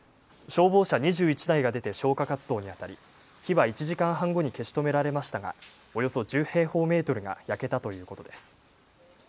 消防車２１台が出て消火活動にあたり火は１時間半後に消し止められましたがおよそ１０平方メートルが焼けたということです。